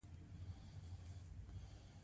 پیاز د ګلودرد لپاره مناسب دی